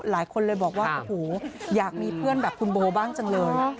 หลายคนเลยบอกว่าโอ้โหอยากมีเพื่อนแบบคุณโบบ้างจังเลย